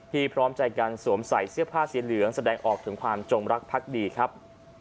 พร้อมใจกันสวมใส่เสื้อผ้าสีเหลืองแสดงออกถึงความจงรักพักดีครับ